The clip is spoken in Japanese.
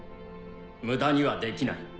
無駄にはできない。